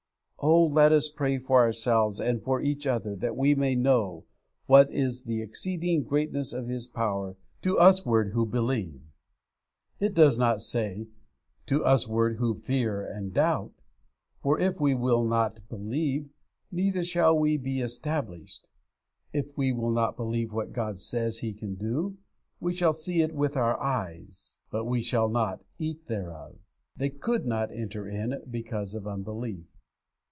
_' Oh, let us pray for ourselves and for each other, that we may know 'what is the exceeding greatness of His power to usward who believe.' It does not say, 'to usward who fear and doubt;' for if we will not believe, neither shall we be established. If we will not believe what God says He can do, we shall see it with our eyes, but we shall not eat thereof. 'They could not enter in because of unbelief.'